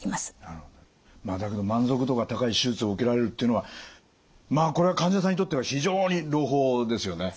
だけど満足度が高い手術を受けられるっていうのはこれは患者さんにとっては非常に朗報ですよね。